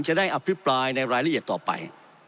จะได้อภิปรายในรายละเอียดต่อไป